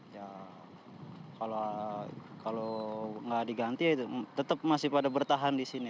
ya kalau nggak diganti tetap masih pada bertahan di sini